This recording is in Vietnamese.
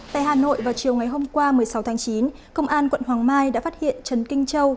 tại hà nội vào chiều ngày hôm qua một mươi sáu tháng chín công an quận hoàng mai đã phát hiện trần kinh châu